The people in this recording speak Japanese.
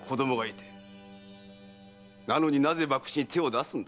なのになぜ博打に手を出すんだ？